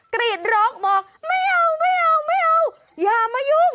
กรีดร้องบอกไม่เอา